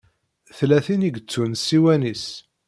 Tella tin i yettun ssiwan-is.